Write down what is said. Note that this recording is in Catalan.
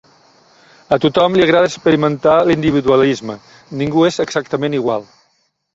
A tothom li agrada experimentar l'individualisme. Ningú és exactament igual.